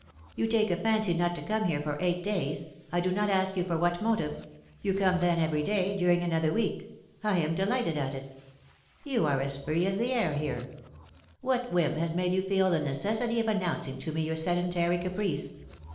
You take a fancy not to come here for eight days, I do not ask you for what motive; you come then, every day, during another week; I am delighted at it. You are as free as the air here. What whim has made you feel the necessity of announcing to me your sedentary caprice?